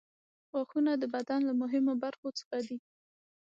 غاښونه د بدن له مهمو برخو څخه دي.